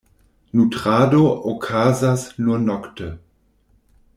Nutrado okazas nur nokte.